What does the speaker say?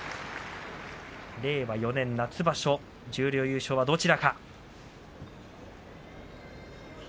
令和４年夏場所十両優勝はどちらか。